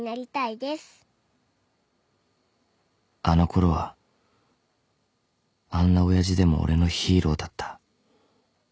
［あのころはあんな親父でも俺のヒーローだった］